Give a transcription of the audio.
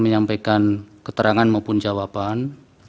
menyampaikan keterangan maupun jawaban